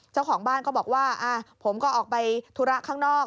เจ้าของบ้านก็บอกว่าผมก็ออกไปธุระข้างนอก